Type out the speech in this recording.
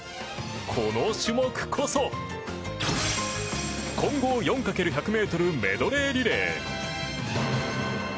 この種目こそ混合４×１００ｍメドレーリレー。